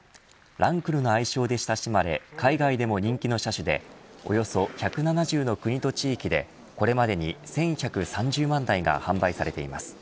ランクルの愛称で親しまれ海外でも人気の車種でおよそ１７０の国と地域でこれまでに１１３０万台が販売されています。